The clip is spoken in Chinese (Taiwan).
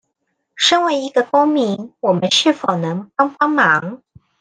身為一個公民我們是否能幫幫忙